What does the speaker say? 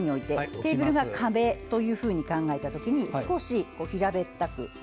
テーブルを壁と考えたときに少し、平べったく。